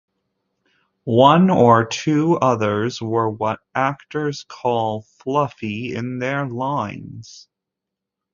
One or two others were what actors call fluffy in their lines.